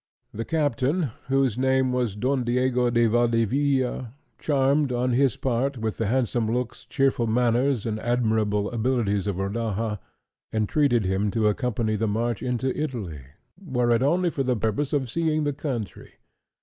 The captain, whose name was Don Diego de Valdivia, charmed, on his part, with the handsome looks, cheerful manners, and admirable abilities of Rodaja, entreated him to accompany the march into Italy, were it only for the purpose of seeing the country.